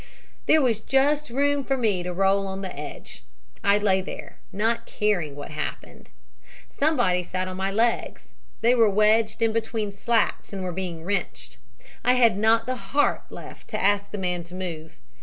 "There was just room for me to roll on the edge. I lay there, not caring what happened. Somebody sat on my legs; they were wedged in between slats and were being wrenched. I had not the heart left to ask the man to move.